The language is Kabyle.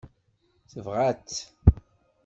Tebɣa-tt.